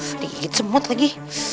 aduh dikit semut lagi